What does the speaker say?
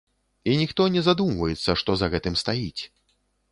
І ніхто не задумваецца, што за гэтым стаіць.